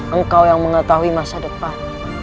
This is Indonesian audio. engkau yang mengetahui masa depan